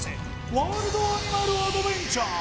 ワールドアニマルアドベンチャー！